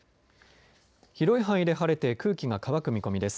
広い範囲で晴れて空気が乾く見込みです。